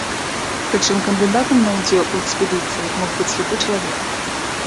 Прычым кандыдатам на ўдзел у экспедыцыі мог быць любы чалавек.